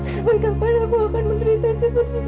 sampai kapan aku akan menderita seperti ini umih